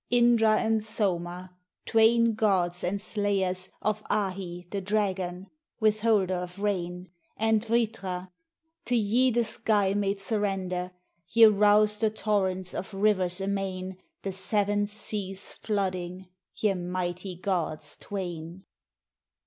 Indra and Soma, Twain gods and slayers Of Ahi, the dragon — withholder of Rain — And Vritra, — to ye the Sky made surrender, Ye roused the Torrents of Rivers amain The Seven Seas flooding, — ye mighty gods Twain.